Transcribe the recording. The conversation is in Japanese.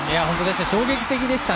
衝撃的でした。